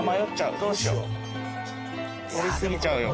取り過ぎちゃうよ